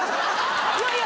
いやいや！